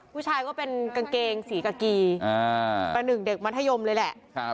ก็เป็นกางเกงสีกากีประหนึ่งเด็กมัธยมเลยแหละ